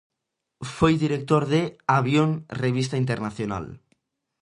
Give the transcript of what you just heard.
Foi director de "Avión Revista Internacional".